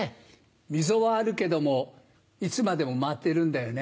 溝はあるけどもいつまでも回ってるんだよね。